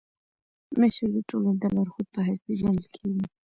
مشر د ټولني د لارښود په حيث پيژندل کيږي.